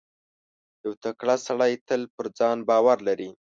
• یو تکړه سړی تل پر ځان باور لري.